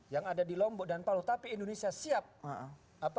yang ada di lombok dan palu tapi indonesia siap